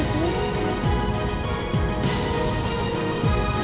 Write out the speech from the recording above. gak akan aku lepasin aku